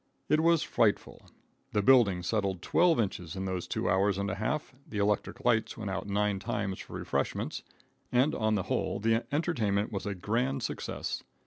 It was frightful. The building settled twelve inches in those two hours and a half, the electric lights went out nine times for refreshments, and, on the whole, the entertainment was a grand success.